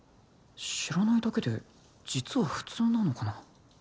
知らないだけで実は普通なのかな